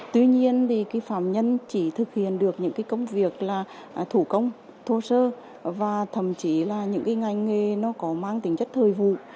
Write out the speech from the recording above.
tuy nhiên phạm nhân chỉ thực hiện được những công việc thủ công thô sơ và thậm chí là những ngành nghề có mang tính chất thời vụ